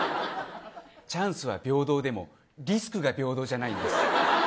チャンスは平等でもリスクが平等じゃないです。